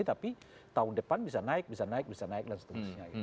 tapi tahun depan bisa naik bisa naik bisa naik dan seterusnya